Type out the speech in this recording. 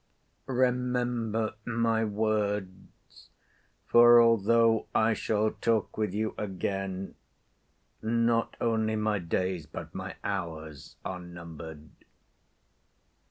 Remember my words, for although I shall talk with you again, not only my days but my hours are numbered."